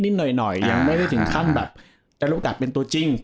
เหนื่อยยังไม่ได้ได้ถึงขั้นแบบได้โอกาสเป็นตัวจริง